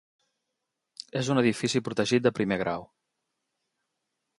És un edifici protegit de primer grau.